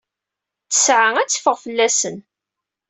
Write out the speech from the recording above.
Ttesɛa ad teffeɣ fell-asen.